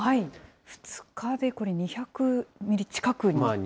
２日でこれ、２００ミリ近くに。